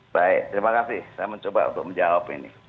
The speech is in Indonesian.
baik terima kasih saya mencoba untuk menjawab ini